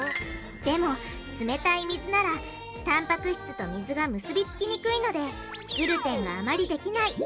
でもつめたい水ならたんぱく質と水が結び付きにくいのでグルテンがあまりできない。